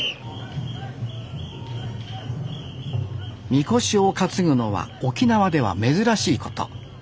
みこしを担ぐのは沖縄では珍しいこと。